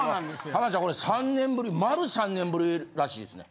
浜田さんこれ３年ぶり丸３年ぶりらしいですね。